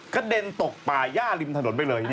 กระเด็นตกป่าย่าริมถนนไปเลย